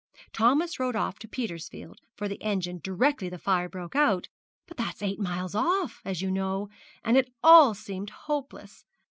Thomas rode off to Petersfield for the engine directly the fire broke out, but that's eight miles off, as you know, and it all seemed hopeless.